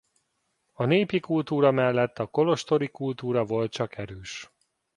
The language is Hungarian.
A népi kultúra mellett a kolostori kultúra volt csak erős.